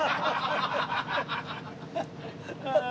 ああ。